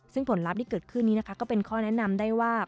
ซึ่งผลลัพธ์ที่เกิดขึ้นนี้นะคะก็เป็นข้อแนะนำได้ว่า